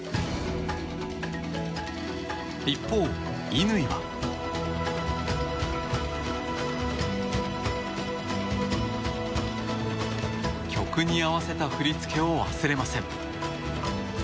一方、乾は曲に合わせた振り付けを忘れません。